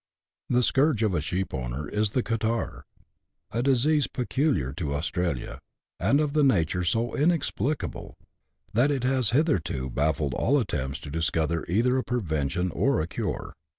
The scourge of the sheepowner is the catarrh ; a disease peculiar to Australia, and of a nature so inexplicable, that it has hitherto baffled all attempts to discover either a prevention or a cure.